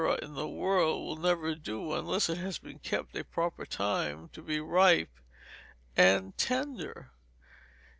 in the world will never do, unless it has been kept a proper time to be ripe and tendar.